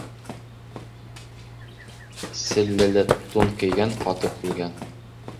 Селләлә тун кейгән ҡатып үлгән.